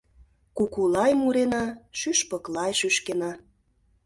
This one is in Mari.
Кукулай мурена, шӱшпыклай шӱшкена.